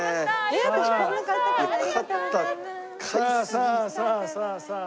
さあさあさあさあ。